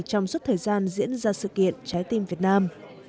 trong suốt thời gian diễn ra sự kiện trái tim việt nam